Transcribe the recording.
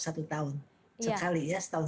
satu tahun sekali ya setahun